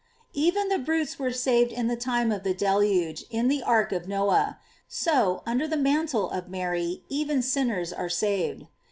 Even the brutes were saved in the time of the deluge in the ark of Noe; so, under the mantle of Mary, even sin ners are saved.